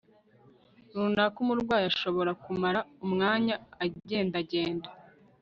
runaka Umurwayi ashobora kumara umwanya agendagenda